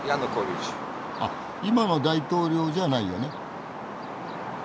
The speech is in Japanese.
あっ今の大統領じゃないよね？